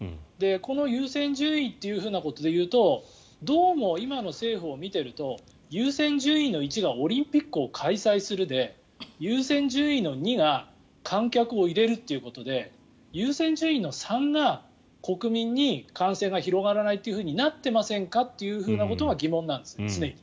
この優先順位というふうなことでいうとどうも今の政府を見ていると優先順位の１がオリンピックを開催するで優先順位の２が観客を入れるということで優先順位の３が、国民に感染が広がらないというふうになっていませんかということが常に疑問なんです。